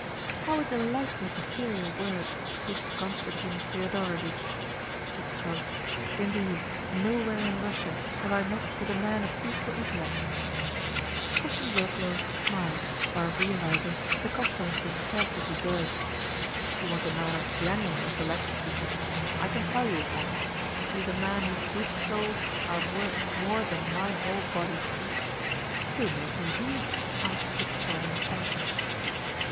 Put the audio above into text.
"How it delights me to hear your words, good Constantine Thedorovitch!" said Chichikov. "Indeed, nowhere in Russia have I met with a man of equal intellect." Kostanzhoglo smiled, while realising that the compliment was scarcely deserved. "If you want a man of GENUINE intellect," he said, "I can tell you of one. He is a man whose boot soles are worth more than my whole body." "Who may he be?" asked Chichikov in astonishment.